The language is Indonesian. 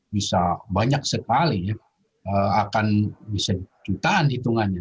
bisa banyak sekali akan bisa ditahan hitungannya